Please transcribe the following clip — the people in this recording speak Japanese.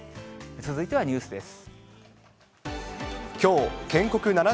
続いてはニュースです。